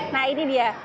nah ini dia